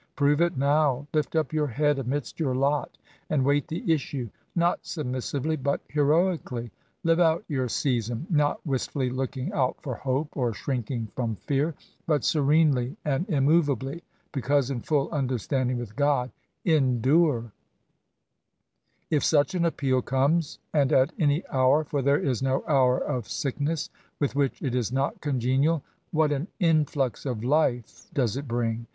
Prove it now. Lift up your head amidst your lot, and wait the issue — ^not submissively, but heroically. Live out your season, not wist fully looking out for hope, or shrinking from fear : c2 S8 ESSAYS. but serenely and immoveably (because in full understanding with God), endure;" if such an appeal comes, and at any hour (for there is no hour of sickness with which it is not congenial), what an influx of life does it bring!